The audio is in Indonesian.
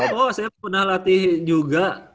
bisa kok saya pernah latih juga